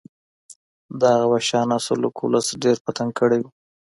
د هغه وحشیانه سلوک ولس ډېر په تنګ کړی و.